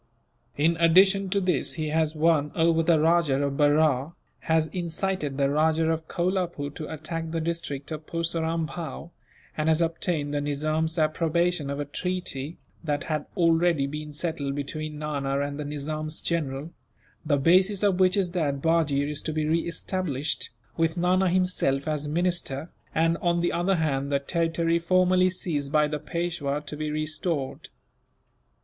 In addition to this, he has won over the Rajah of Berar, has incited the Rajah of Kolapoore to attack the district of Purseram Bhow; and has obtained the Nizam's approbation of a treaty, that had already been settled between Nana and the Nizam's general, the basis of which is that Bajee is to be re established, with Nana himself as minister and, on the other hand, the territory formerly seized by the Peishwa to be restored.